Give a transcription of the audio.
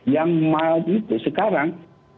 yang mal itu sekarang